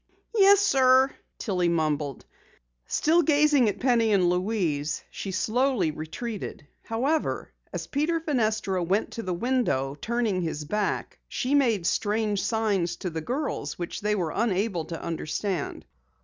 "Yes, sir," Tillie mumbled. Still gazing at Penny and Louise, she slowly retreated. However, as Peter Fenestra went to the window, turning his back, she made strange signs to the girls which they were unable to understand.